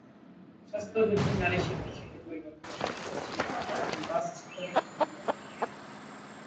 স্বাস্থ্যবিধি, নারীশিক্ষা, ছোট পরিবার, পরিচ্ছন্নতার স্লোগান—এখন বাস-স্কুটারের পেছনে লেখা থাকতে দেখা যায়।